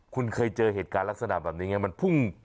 คุณเคยเจอเหตุการณ์ลักษณะแบบนี้ไงมันพุ่งเข้าใส่คุณ